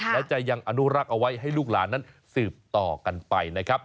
และจะยังอนุรักษ์เอาไว้ให้ลูกหลานนั้นสืบต่อกันไปนะครับ